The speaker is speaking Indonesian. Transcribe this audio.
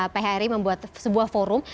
phri membuat sebuah forum